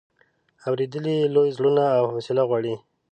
اورېدل یې لوی زړونه او حوصله غواړي.